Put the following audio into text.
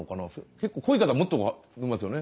結構濃い方もっと伸びますよね。